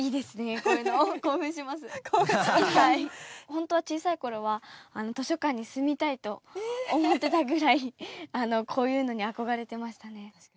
本当は小さい頃は図書館に住みたいと思ってたぐらいこういうのに憧れてましたね。